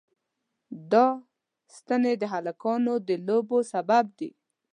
دا ستنې د هلکانو د لوبو سبب دي.